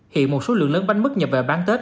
hiện một số lượng lớn bánh mứt nhập về bán tết